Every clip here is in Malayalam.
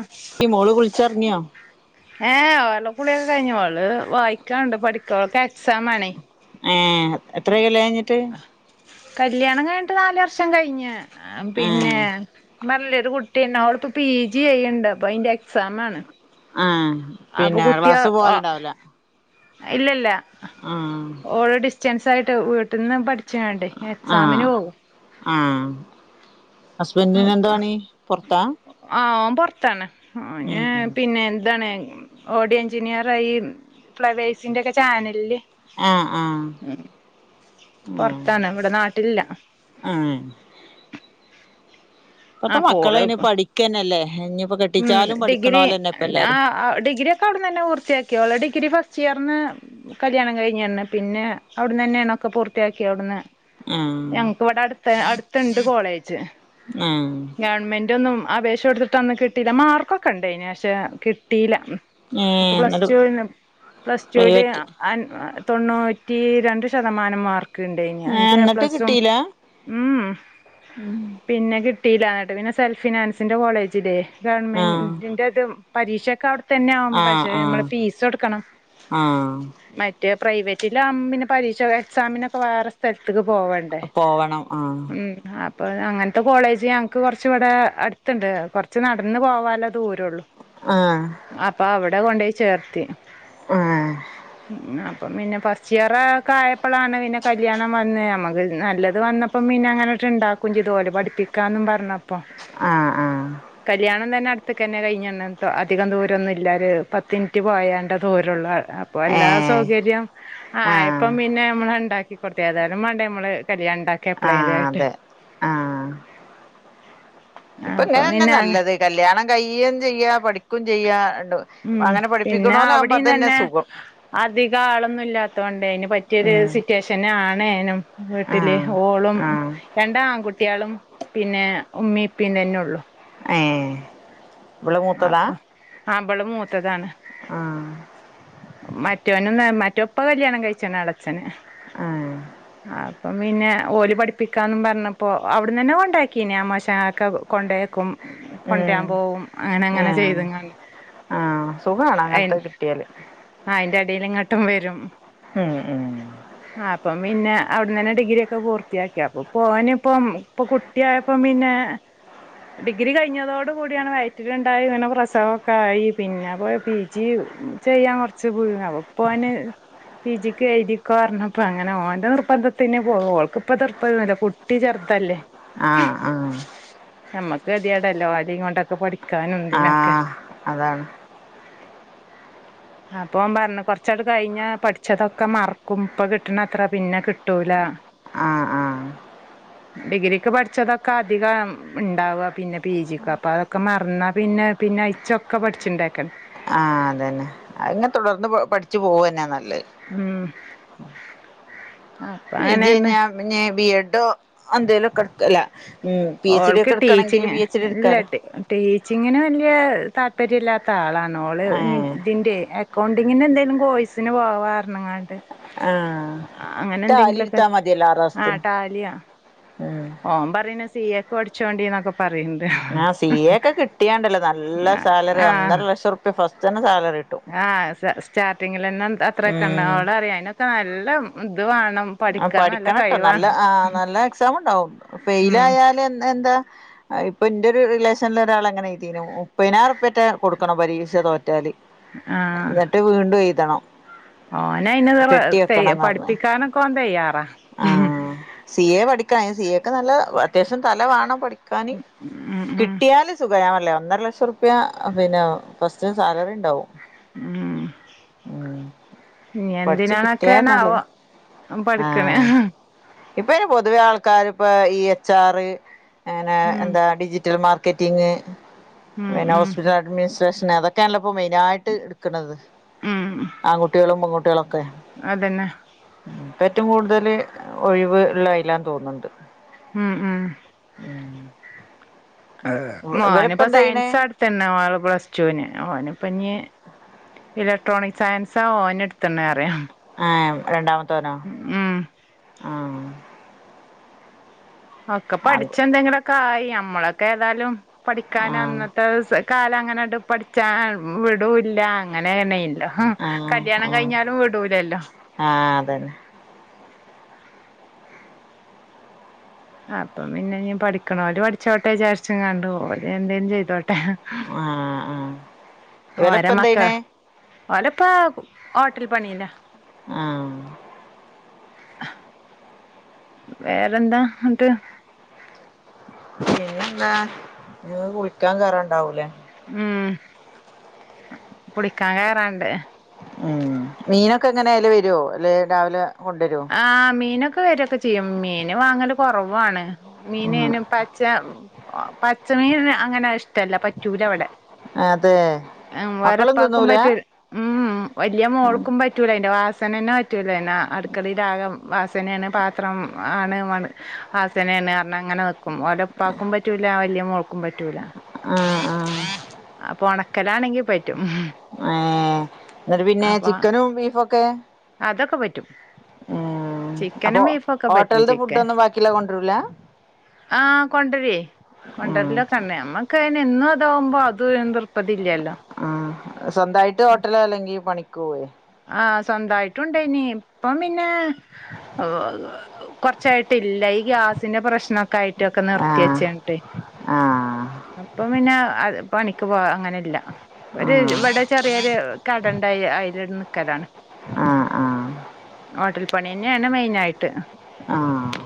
ആഹ് ഈ മോള് കുളിച്ച് എറങ്ങ്യോ ഏഹ് ഒള കുളിക്കൊ കഴിഞ്ഞു ഓള് വായിക്കാണ്ട് പഠിക്കോ ഓള്ക്ക് എക്സാമാണെ. ഏഹ് എത്രായി കല്യാണം കഴിഞ്ഞിട്ട്. കല്യാണം കഴ്ഞ്ഞ്ട്ട് നാലു വർഷം കഴിഞ്ഞ്. പിന്നെ ആഹ് പർഞിലെ ഒരു കുട്ടിണ്ട് ഓള്പ്പ പീ ജി ചെയ്യണ്ട് അപ്പൊ അതിന്റെ എക്സാമാണ്. ആഹ് പിന്നെ ക്ലാസ്സ് പോവല്ണ്ടാവുല. ഇല്ല ഇല്ല ഉം ഓള് ഡിസ്റ്റൻസ് ആയിട്ട് വീട്ട്ന്ന് പഠിച്ച്ങ്ങാണ്ടെ ആഹ് എക്സാമിന് പോകും. ആഹ് ഹസ്ബൻഡിന് എന്ത പണി പൊറ്ത്താ. ആഹ് ഓൻ പൊറ്ത്താണ് ഉം പിന്നെ ഇതാണ്. ഓഡി എഞ്ചിനിയറായി ഫ്ലവേഴ്സിന്റെക്ക ചാനൽല്. ആഹ് ആഹ് ഉം പൊറ്ത്താണ് ഇവിടെ നാട്ടിലില. ഉം ഇപ്പത്തെ അപ്പോ മക്കളയ്ന് ഓള് പഠിക്കന്നല്ലെ ഇഞി ഉം ഡിഗ്രി ആഹ് ഡിഗിരി. അവിട്ന്നന്നെ പൂർത്തിയാക്കി ഓള ഡിഗ്രി ഫസ്റ്റിയർന് കല്യാണം കഴിഞ്ഞഞ് പിന്ന അവിടന്നന്നേയാണ് ഒക്ക പൂർത്തിയാക്കി അവിട്ന്ന്. ആഹ് ഞങ്ങക്ക് ഇവിടെ അടുത്ത് അടുത്ത്ണ്ട് കോളേജ്. ആഹ് ഗവൺമെന്റൊന്നും അപേക്ഷ കൊടുത്തിട്ട് അന്ന് കിട്ടീല്ല. മാർക്കൊക്കെണ്ടേന്പക്ഷെ കിട്ടീല ഏഹ് അപ്പൊ പ്ലസ് എന്നിട്ട് ടു നും പ്ലസ് ടു ല് പ്രൈവറ്റ് അ തൊണ്ണൂറ്റി രണ്ട് ശതമാനം മാർക്ക്. ക്ക്ണ്ടായ്നി. ഏഹ് അഞ്ച് എന്നിട്ട് എപ്ലസും കിട്ടീല ഉംഹ്.. പിന്നെ കിട്ടീല്ല. ആട്ട് പിന്നെ സെൽഫ് ഫിനാൻസിന്റെ കോളേജിലെ ആഹ് ഗവൺമെന്റിന്റതും. പരീക്ഷൊക്കെ അവിട്തന്നെ ആവും. ആഹ് പക്ഷെ ആഹ് മ്മള് ഫീസൊടുക്കണം ആഹ് മ റ്റേ പ്രൈവറ്റ്ലാവുമ്പം പിന്നെ പരീക്ഷ എക്സാമിനൊക്കെ വേറെ. സ്ഥലത്ത്ക്ക് പോവണ്ടെ പോവണം ആഹ് ഉം. അപ്പൊ അങ്ങൻത്തെ കോളേജ് ഞങ്ങക്ക് കൊറ്ച് വടെ അടുത്ത്ണ്ട് കൊറച്ച് നട് ഇന്ന് പോവാലെ ദൂരൊള്ളൂ ആഹ്‌ അപ്പൊ അവിടെ കൊണ്ടോയി ചേർത്തി. ആഹ് അപ്പം പിന്നെ പസ്റ്റ് ഇയർ പിന്നെ കല്യാണം വന്ന് അമക്ക് നല്ലത് വന്നപ്പം പിന്നെ അങ്ങനെറ്റെണ്ടാക്കും കുഞ്ചിതോലെ പഠിപ്പിക്കാന്നും പറഞ്ഞ പ്പൊ ആഹ്‌ ആ. കല്യാണം തന്നെ അടുത്ത്ക്കന്നെ കഴിഞ്ഞ് വണ്ണ് അധികം ദൂരൊന്നുംല്ലാ. പത്ത് മിനിറ്റ് പോയണ്ട ദൂരൊള്ളു അപ്പൊ എല്ലാ ഏഹ് സൗകര്യം ആഹ് ആയപ്പം പിന്നെ നമ്മളഹ് ഇണ്ടാക്കി. കൊടുത്തി ഏതായാലുമാണ്ടേ അമ്മളെ കല്യാണം ആഹ് ഇണ്ടാക്കഎപ്പളേലായിട്ട് അതെ ആഹ് ആ ഇപ്പൊ ഇപ്പം. ഇങ്ങനെന്നെ നല്ലത്. കല്യാണം കയ്യേചെയ്യ പഠിക്കും ചെയ്യ. [unintelligible] ണ്ടു ഉം അങ്ങനെ പഠിപ്പിക്ക്ണോലാമ്പ അതന്നെ സുഖം. അധികാളൊന്നും ഇല്ലാത്തൊണ്ടേ അയിന് പറ്റിയൊരു ഉം സിറ്റേഷൻ പിന്നെ ആണേനും വീട്ടില്. ആഹ് ഓളും ആഹ് രണ്ടാ ൺകുട്ട്യേളും. പിന്നെ ഉമ്മീ ഇപ്പീ തന്നെ ഒള്ളു. ഏഹേ അപ്പം ഇബള് മൂത്തതാണ്. ആഹ് മറ്റോനും ഇന്ന മറ്റോ ഇപ്പം കല്യാണം കയിച്ചിണ് എളെച്ചൻ ആഹ് അപ്പം പിന്നെ ഓല് പഠിപ്പിക്കാന്നും പറ്ഞ്ഞപ്പൊ അവിട്ന്നന്നെ കൊണ്ടാക്കീനെ അമോശാൻക്ക കൊണ്ടേക്കും- കൊണ്ട്രാൻ ഉം പോവും. അങ്ങനെ അങ്ങനെ ആഹ് ചെയ്ത്ങ്ങാ, ആഹ് സുഖാണ് ണ്ട് [unintelligible] ആ അയിന്റെഎടേല് ഇങ്ങോട്ടും വരും ഉം. ഉം. അപ്പം പിന്നെ അവിട്ന്നെന്നെ ഡിഗ്രി ഒക്കെ പൂർത്തിയാക്കി അപ്പൊ പോവാ ഓന്പ്പം പ്പൊകു ട്ടിയായപ്പം പിന്നെ ഡിഗ്രി കഴിഞ്ഞതോടു കൂടിയാണ് വയറ്റില്ണ്ടായി ഇങ്ങനെ പ്രസവക്കായി പിന്നെ അപ്പോപി ജി ചെയ്യാൻ കൊറച്ച് [unintelligible] അപ്പേ, ന് പി ജിക്ക് എഴുതിക്കൊറപ്പോ. അങ്ങനെ ഓന്റെ നിർബന്ധത്തിന് പോ ഓൾക്കിപ്പ തിർപ്പതിയൊന്നുല്ല. കുട്ടി ചെറുതല്ലെ. ആഹ്‌ ആഹ്‌ ഞമ്മക്ക് കെത്യായേടല്ലേ. ഓ ലികൊണ്ടക്കെ പഠിക്കാനുതിനൊക്കെ ആഹ് അതാണ്. അപ്പോം പറഞ്ഞ കൊറച്ചങ്ങട്ട് കയി ഞ്ഞ പഠിച്ചതൊക്കെ മറക്കും. ഇപ്പൊ കിട്ടണത് പിന്നെ കിട്ടൂല ആ ആ ഡിഗ്രിക്ക് പഠിച്ചതൊക്കെ അധികം ഉണ്ടാവുക പിന്നെ പി ജി ക്ക് അപ്പൊ അതൊക്കെ മറന്നാപിന്നെ. പിന്നെ അയിച്ചൊക്കെ പഠിച്ചുണ്ടാക്കൻ. ആഹ്‌ അതന്നെ. അങ്ങനെ തുടർന്നു പ പഠിച്ചു പോവുകതന്നെയാ നല്ലത്. ഉം അപ്പൊ പി ജി യൊ അങ്ങനെന്നെ ഞാൻ പിന്നെ ബി എഡോ അന്തേലുക്കെടുത്തല്ലാ. ഓൾക്ക് ടീച്ചിങ്ങ് എച്ച് ഡി എടുക്കാലോ ഇല്ലാട്ട് ടീച്ചിങ്ങിന് വലൃ താല്പര്യം ഇല്ലാത്ത ആളാണ് ഓള് ഇനി ഏഹ് ഇതിന്റെ അക്കൗണ്ടിങ്ങിന് എന്തേലും കോഴ്സിന് പോവാരണങ്ങാണ്ട്. ആ ടാലി എടുത്താമതിയല്ലോ ആ ആറുമാസത്തിന്. ടാലിയാ ഓൻ പറയുന്ന് സി എ ക്ക് പഠിച്ചോണ്ടിന്നൊക്കെ പറയുന്ന്. ആ സി ഐക്കെ കിട്ടിയാണ്ടല്ലോ നല്ല സാലറി ഒന്നര ലക്ഷം റുപ്പിയാ ഫസ്റ്റ് തന്നെ സാലറി കിട്ടും ആ സ സ്റ്റാർട്ടിങ്ങിലന്നെ അത്രൊക്കെ ഉണ്ടാവണം ഉം അവലറിയാ അയിനൊക്കെ നല്ല ഇതുവേണം. ആ പഠിക്കണട്ടോ നല്ല ആ നല്ല എക്സാമുണ്ടാവും ഉം ഫെയിലായാലെന്താ. ആ ഇപ്പം എൻ്റെയൊരു റിലേഷനില് ഒരാൾ അങ്ങനെ എഴുതീനു മുപ്പനായിരം റുപ്പിയാറ്റെ കൊടുക്കണം പരീക്ഷതോറ്റാല്. എന്നിട്ടുവീണ്ടും എഴുതണം. ഓന് അയിനുവേറെ കെട്ടി തയ്യാ പഠിപ്പിക്കാനൊക്കെ ഓൻ തയ്യാറാ. ആ സി എ പഠിക്കാൻ അയ്ന് സി എ ക്ക് നല്ല അത്യാവശ്യം തലവേണം പഠി ക്കാന് ഉം ഉം കിട്ടിയാല്. സുഖായി ഞാൻ പറഞ്ഞില്ലേ ഒന്നരലക്ഷം റുപ്പിയാ പിന്നെ ഫസ്റ്റ് സാലറിയുണ്ടാവും. ഉം പഠിച്ച് കിട്ടിയാ എന്തിനാണൊക്കൊയണാവോ. നല്ലത് അവൻ പഠിക്കണെ ഇപ്പ അയ്ന് പൊതുവെ ആൾക്കാര് ഇപ്പ ഈ എച്ച് ആറ് എന്നാ ഉം എന്താ ഡിജിറ്റൽ മാർ ക്കറ്റിംഗ് ഉം പിന്നെ ഉം ഹോസ്പിറ്റൽ അഡ്മിനിസ്ട്രേഷൻ അതൊ ക്കെയാണല്ലോ ഇപ്പോ മെയിനായിട്ട് എടുക്കണന്ത് ഉം ആൺകുട്ടികളും പെൺകുട്ടികളൊക്കെ. അതന്നെ ഇപ്പ ഏറ്റവും കൂടുതല് ഒഴിവ് ഉള്ള അയിലാന്ന് തോന്നണൊണ്ട്. ഉം ഉം ഇവരിപ്പ മോനിപ്പോ എന്താ ചെയ്യണേ സയൻസാ എടുത്തീനെ പ്ലസ്ടുവിന് ഓനിപ്പോ ഇനി ഇലക്ട്രോണിക് സയൻസാ ഓന് എടുത്തെന്ന് അറിയാം. ആം രണ്ടാമത്തവനൊ ഉം ഒക്കെ ആ പഠിച്ച് എന്തെങ്കിലൊക്കെ ആയി ഞമ്മളൊക്കെ ഏതായാലും പഠിക്കാൻ ആ അന്നത്തെ സാ കാലം അങ്ങനെട്ട് പഠിച്ചാൻ വിടുവില്ല അങ്ങനെ തന്നെയില്ല. ഉം ആ കല്യാണം ആ കഴിഞ്ഞാലും വിടൂലല്ലോ ആ അതന്നെ അപ്പം പിന്നെ ഇനി പഠിക്കണോര് പഠിച്ചോട്ടെ വിചാരിച്ചുകാണ്ട് എന്തേലും ചെയ്തോട്ടെ ആ ആ ഇവലിപ്പ ഓരെ എന്താ മക്കള് ചെയ്യണേ ഓലിപ്പോ ഹോട്ടൽ പണിയിലാ. ആം വേറെന്താ ന്നിട്ട് പിന്നെന്താ നീ കുളിക്കാൻ കേറൊണ്ടാവൂലേ ഉം കുളിക്കാൻ കേറാണ്ട്. ഉം മീനൊക്കെ എങ്ങനെയാല് വരുവോ അല്ലെ രാവിലെ കൊണ്ടുവരുവോ. ആഹ് മീനൊക്കെ വരൊക്കെ ചെയ്യും. മീൻ വാങ്ങല് കൊർവാണ്. ഉം മീനയ്ന് പ ച്ചാ പച്ചമീൻ അങ്ങനെ ഇഷ് ടല്ല. പറ്റൂല്ല ഇവടെ. അതെ വേറെ മക്കളും ഇപ്പാക്കും തിന്നൂല പറ്റൂൽ ആ ഉംഉം വല്യ മോൾക്കും പറ്റൂല്ല. അയ്ന്റെ വാസനെന്നെ പറ്റൂല്ല. പിന്നാ അട് ക്കളീലാകെ വാസനേണ് പാത്രം ആണ് മൺ വാസനേണ് പർണങ്ങങ്ങനെ നി ക്കും. ഓലെ പ്പാക്കും പറ്റൂല്ല വല്യെ മോൾക്കും പറ്റൂല്ല. ആഹ് അപ്പോ ഒണക്കലാണെങ്കി പറ്റും. ഏഹ്. ന്നട്ട് പിന്നെ അപ്പൊ ചിക്കനും ബീഫൊക്കെ? അതൊക്കെ പറ്റും ഉം ആഹ്. അപ്പൊ ചിക്കനും ബീഫൊക്കെ പറ്റും ഹോട്ടൽന്റെ ഫുഡ് ചിക്കൻ ഒന്നും ബാക്കിള്ളത് കൊണ്ട്രൂല്ല? ആഹ് കൊണ്ടര്വേ. ഉം കൊണ്ടര്ലൊക്കെന്നെ നമ്മക്ക് അയ്നെന്നു അതാമ്പോ അത് എ തിർപ്പതി ഇല്ലല്ലോ. ആഹ് സ്വന്തായിട്ട് ഹോട്ടലാ അല്ലെങ്കി പണിക്കോവേ? ആഹ് സ്വന്തായിട്ടുണ്ടെയ്നി. ഇപ്പം പിന്നെ, കൊർച്ചായിട്ടില്ല ഈ ഗ്യാസിന്റെ പ്രശ്ന ക്കായിട്ടൊക്കെ നിർത്തി ആഹ് വെച്ചിങ്ട്ടെ ആഹ് അപ്പം പിന്നെ പണിക്ക് പോവാ അങ്ങ നെല്ലാ. ഇപ്പൊര് ആഹ് ഇവടെ ചെറിയൊരു കടണ്ട്. അയി അയ്ല് ന് ക്കലാണ്. ആഹ് ആഹ് ഹോട്ടൽ പണ്യെന്നേണ് മെയിനായിട്ട്. ആഹ്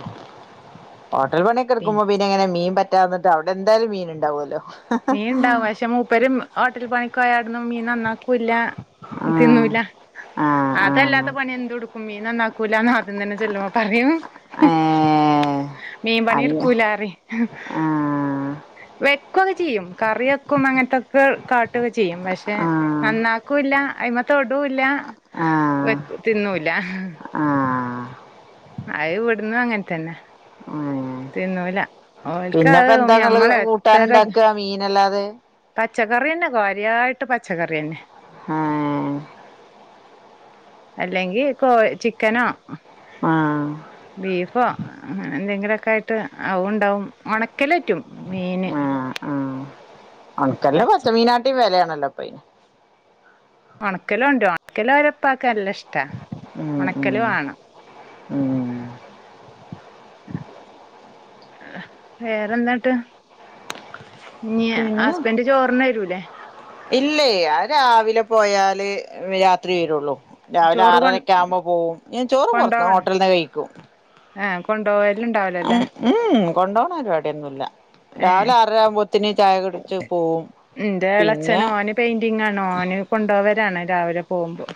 ഹോട്ടൽ പിന്നെ പണിക്കെട്ക്കുമ്പം പി ന്നെങ്ങനെ മീൻ പറ്റാതെന്ന്ട്ട് അവിടെന്തായാലും മീൻ ഉണ്ടാവല്ലോ. മീൻണ്ടാവും പക്ഷെ മൂപ്പര് ഹോട്ടൽ പണിക്കോയാ അട്ന്നും മീൻ നന്നാക്കൂല്ലാ. ആഹ് തിന്നൂലാ. ആഹ് ആഹ് അതല്ലാത്ത പണി എന്തുട് ക്കും. മീൻ നന്നാക്കൂലാന്ന് ആദ്യംതന്നെ ചെല്ലുമ്പ പറയും. ഹും ഏഹ് മീൻ അങ്ങ പണിട്ക്കൂല റിം. വെക്കൊക്കെ ചെയ്യും കറി വെക്കും അങ്ങനത്തൊക്കെ കാ ട്ടൊക്കെ ചെയ്യും ക പക്ഷെ ആഹ് നന്നാക്കൂല്ലാ അയ്മെ തൊടൂല്ലാ ആഹ് വെക് തിന്നൂ ല്ലാ. ആഹ് അഹ് ഇവട്ന്നും അങ്ങൻ തന്നെ. ഏഹ്. തിന്നൂല ഓൽക്ക് അത് പിന്നെപ്പെന്താങ്ങള് ഞമ്മള് കൂട്ടാനുണ്ടാക്കാ മീനല്ലാതെ? പച്ചക്കറിയെന്നെ കാര്യായിട്ട് പച്ചക്കറിയെന്നെ. അഏഹ് അല്ലെങ്കി കോയ് ചിക്കനോ. ആഹ് ബീഫോ എന്തെങ്കിലൊക്കായിട്ട് അതു ണ്ടാവും. ഒണക്കലറ്റും മീന്. ആഹ് ഒൺക്കൽന് പച്ചമീനാട്ടിലും വെലേണല്ലോ ഇപ്പയ്ന്. ഉണക്കലൊണ്ട്രും. ഉണക്കലോലെപ്പാക്ക് നല്ലഷ് ട്ടാ. ഉം ഉം ഒണക്കല് വാണം. ഉം വേറെന്താ ട്ട്. ഇഞ്ഞ് പിന്നെ ഹസ്ബൻഡ് ചോറിനെരൂല്ലേ? ഇല്ലേ. അത് രാവിലെ പോയാല് രാത്രി വരൊള്ളൂ. രാവിലെ ചോറ് കൊ ആറരെക്ക്യാവുമ്പം പോവും. ഞാൻ ചോറ് പൊർത്ത് ഹോട്ടൽന്നാ കഴിക്കും. ആഹ് കൊണ്ടോവല്ണ്ടാവുല ലേ. ഊംഉം കൊണ്ടോണ പരിപാട്യൊന്നും ല്ലാ. ഏഹ് രാവിലെ ആറരാവുമ്പോത്തിന് ചായ കുടിച്ച് പോവും. പിന്നെ, പെയിന്റിങ്ങാണോന് കൊണ്ടോവലാണ് രാവിലെ പോകുമ്പോ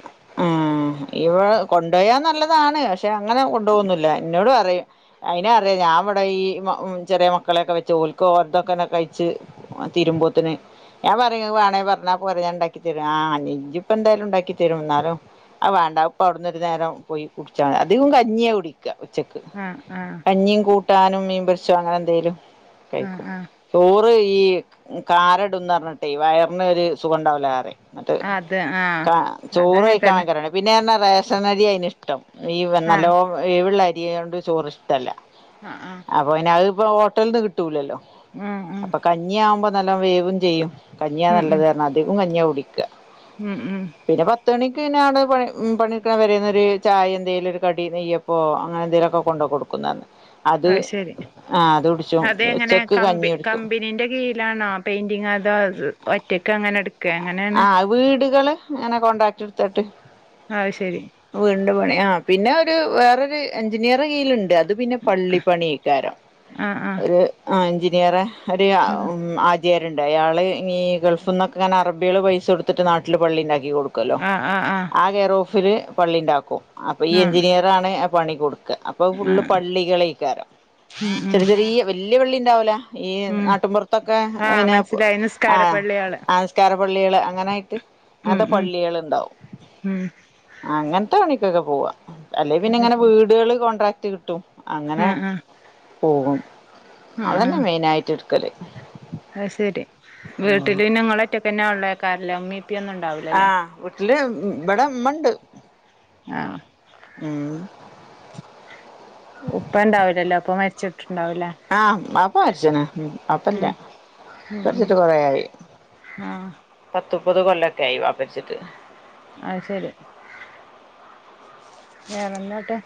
ആഹ് ഇവടെ കൊണ്ടോയാ നല്ലതാണ് പക്ഷെ അങ്ങനെ കൊണ്ടോകൊന്നുല്ല എന്നോട് പറയും അയിനറിയാ ഞാൻ ഇവിടെ ഈ മാ ചെറിയ മക്കളെക്കെ വെച്ച് ഓൽക്കോർതൊക്കെന്നെ കഴിച്ച് ആഹ് തീരുമ്പോത്തിന് ഞാൻ പറയും വേണേ പറഞ്ഞാ പോരെ ഞാണ്ടാക്കി തരും ആഹ് ഇജ്ജ് പ്പോന്തായാലും ണ്ടാക്കി തരും എന്നാ ഉം ആഹ് വേണ്ട ഇപ്പ അവിടുന്നൊരു നേരം പോയി കുടിച്ചാ അധികം കഞ്ഞിയാ കുടിക്കുക ഉച്ചക്ക് ആഹ് ആഹ് കഞ്ഞിം കൂട്ടാനും മീൻ പൊരിച്ചതോ അങ്ങനെന്തേലും ആഹ് കഴിക്കും ആഹ് ചോറ് ഈ കാരടുംന്ന്റിഞ്ഞിട്ടെ വയറിന് ഒരു സുഖംണ്ടാവൂലാറിം എന്നിട്ട് അത് ആഹ് കാ ചോറയി അതങ്ങൻ തന്നെ പിന്നെപറന്ന റേഷനരി അയിനിഷ്ടം ഈ ആഹ് നല്ലോ വേവ്ള്ള അരിയായോണ്ട് ചോറ് ഇഷ്ടല്ല ആഹ് ആഹ് അപ്പ പിന്നെ അത്പ്പോ ഹോട്ടലിൽന്ന് കിട്ടൂല്ലല്ലോ ഉം ഉം അപ്പ കഞ്ഞിയാവുമ്പോ നല്ലോ വേവും ചെയ്യും കഞ്ഞിയാ ഉം ഉം നല്ലത് പറഞ്ഞ് അധികം കഞ്ഞിയാ കുടിക്കാ ഉം ഉം പിന്നെ പത്തുമണി [unintelligible] പണി ഉം പണിക്കെ വരുന്ന ഒരു ചായ എന്തേലും ഒരു കടി നെയ്യപ്പോ അങ്ങനെ എന്തേലൊക്കെ കൊണ്ടു കൊടുക്കും [unintelligible] അത് ആഹ് അത് കുടിച്ചോ ഉച്ചക്ക് കഞ്ഞി കുടിക്കും [unintelligible] ലാണോ പെയിന്റിംഗ് അതോ അത് ഒറ്റക്കങ്ങനെ എടു ആഹ് വീടുകള് അങ്ങനെ കോണ്ടാക്ട് എടുത്തിട്ട് ആഹ് ശെരി വീടിന്റെ പണി ആഹ് പിന്നെ ഒരു വേറൊരു എഞ്ചിനീയറെ കീയിലുണ്ട് അത് ഇത് പിന്നെ പള്ളിപ്പണിക്കാരാ ആഹ് ആഹ് ഒരു ആഹ് എൻജിനീയറെ ഒരു ആഹ് ഉം ആ [unintelligible] ആള് ഈ ഗൾഫിൽന്നൊക്കെ അങ്ങനെ അറബികള് പൈസ കൊടുത്തിട്ട് നാട്ടില് പള്ളി ഇണ്ടാക്കി കൊടുക്കു ക്കൊല്ലോ ആഹ് ആഹ് ആഹ് ആ കെയറോഫില് പള്ളി ണ്ടാക്കും അപ്പൊ ഈ ആഹ് എഞ്ചിനീയറാണ് ആ പണി കൊടു ക്ക അപ്പൊ അത്‌ ഫുള്ള് ആഹ് പള്ളികള് [unintelligible] ഉം ഉം ചെറിയ ചെറിയ വല്യ പള്ളിണ്ടാവൂല ഈ ഉം നാട്ടിൻപുറത്തൊക്കെ ആഹ് പിന്നെ പ് മനസ്സിലായി ആഹ് നിസ്കാരപ്പള്ളിയാള് ആഹ് നിസ്കാര പള്ളികള് അങ്ങനായിട്ട് ഉം അങ്ങനത്തെ ഉം പള്ളികൾ ഇണ്ടാവും ഉം അങ്ങനത്തെ പണിക്കൊക്കെ പോവാ അല്ലെ പിന്നെ അത് ഇങ്ങനെ ശരി വീടുകള് കോൺട്രാക്ട് കിട്ടും അങ്ങനെ ആഹ് ആഹ് പോകും അതന്നെ മെയിനായിട്ടെടുക്കല് അഹ് ശെരി വീട്ടില് പിന്നെ നിങ്ങള് ഒറ്റക്കന്നെ ഒള്ളേക്കാരംല്ലേ ഉമ്മീം പ്പയും ഒന്നും ഉണ്ടാവി ആഹ് വീട്ടില് ഇവടെ ഉമ്മണ്ട് ആഹ് ഉം ഉപ്പ ഉണ്ടാവുലല്ലോ ഉപ്പ മരിച്ചിട്ടുണ്ടാവൂല്ലേ ആഹ ബാപ്പ മരിച്ച്ണ് ബാപ്പ ഇല്ല ഉം ഉം ഉം മരിച്ചിട്ട് കൊറെയായി ആഹ് പത്ത് മുപ്പത് കൊല്ലൊക്കെ ആയി വാപ്പ മരിച്ചിട്ട് അഹ് ശരി വേറെന്താങ്ങട്ട്